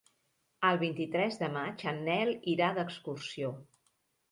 El vint-i-tres de maig en Nel irà d'excursió.